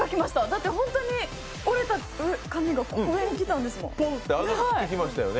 だって本当に折れた紙が上にきたんですもん。